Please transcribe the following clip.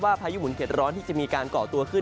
พายุหมุนเข็ดร้อนที่จะมีการเกาะตัวขึ้น